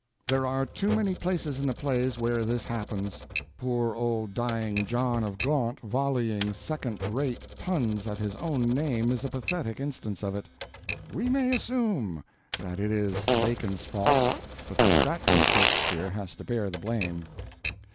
There are too many places in the Plays where this happens. Poor old dying John of Gaunt volleying second rate puns at his own name, is a pathetic instance of it. "We may assume" that it is Bacon's fault, but the Stratford Shakespeare has to bear the blame.